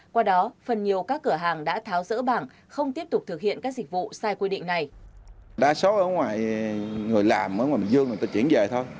qua đó phần nhiều các cửa hàng đã tháo rỡ bảng không tiếp tục thực hiện các dịch vụ sai quy định này